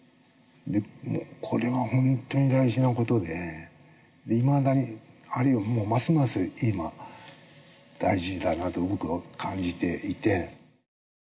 これは本当に大事な事でいまだにあるいはもうますます今大事だなと僕は感じていて。